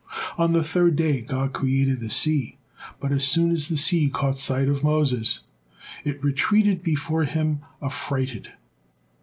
On the third day God created the sea, but as soon as the sea caught sight of Moses, it retreated before him affrighted.